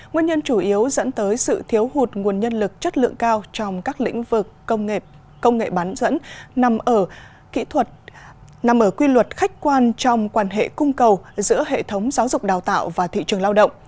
nguyên nhân chủ yếu dẫn tới sự thiếu hụt nguồn nhân lực chất lượng cao trong các lĩnh vực công nghệ bán dẫn nằm ở kỹ thuật nằm ở quy luật khách quan trong quan hệ cung cầu giữa hệ thống giáo dục đào tạo và thị trường lao động